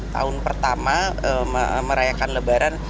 tahun pertama merayakan lebaran